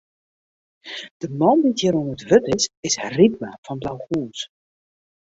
De man dy't hjir oan it wurd is, is Rypma fan Blauhûs.